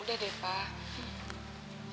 udah deh pak